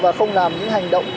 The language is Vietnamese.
và không làm những hành động